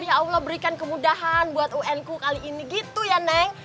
ya allah berikan kemudahan buat unku kali ini gitu ya neng